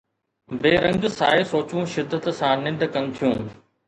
بي رنگ سائي سوچون شدت سان ننڊ ڪن ٿيون